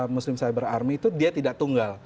muslim cyber army itu dia tidak tunggal